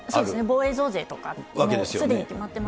防衛増税とか、もうすでに決まってます。